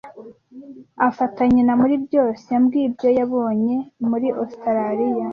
Afata nyina muri byose. Yambwiye ibyo yabonye muri Ositaraliya.